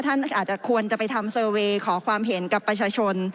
ท่านอาจจะควรจะไปทำขอความเห็นกับประชาชน